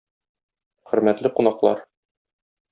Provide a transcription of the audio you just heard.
Хөрмәтле кунаклар!